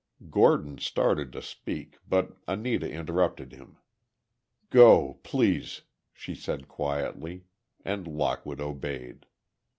Gordon started to speak, but Anita interrupted him. "Go, please," she said, quietly, and Lockwood obeyed.